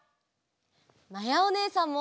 まやおねえさんも！